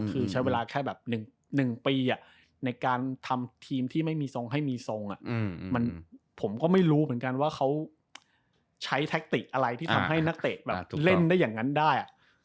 คือใช้เวลาแค่แบบ๑ปีในการทำทีมที่ไม่มีทรงให้มีทรงผมก็ไม่รู้เหมือนกันว่าเขาใช้แท็กติกอะไรที่ทำให้นักเตะแบบเล่นได้อย่างนั้นได้